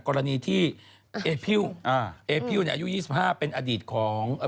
คือในที่สุดแล้วขนาดนี้